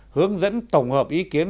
hướng dẫn tổng hợp ý kiến